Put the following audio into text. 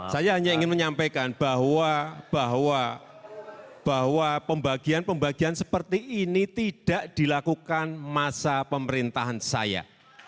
saya hanya ingin menyampaikan bahwa pembagian pembagian seperti ini tidak dilakukan masa pemerintahan saya